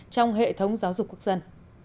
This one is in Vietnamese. trong hệ thống giáo dục quốc dân